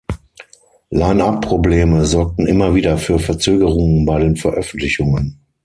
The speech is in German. Line-up-Probleme sorgten immer wieder für Verzögerungen bei den Veröffentlichungen.